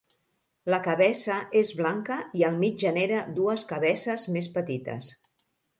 La cabeça és blanca i al mig genera dues cabeces més petites.